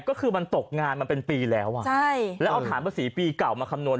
ก็คือมันตกงานมาเป็นปีแล้วอ่ะใช่แล้วเอาฐานภาษีปีเก่ามาคำนวณ